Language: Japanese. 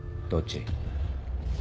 どっち？